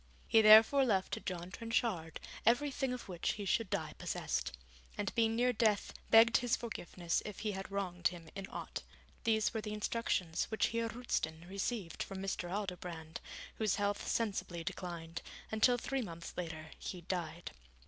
He therefore left to John Trenchard everything of which he should die possessed, and being near death begged his forgiveness if he had wronged him in aught. These were the instructions which Heer Roosten received from Mr. Aldobrand, whose health sensibly declined, until three months later he died.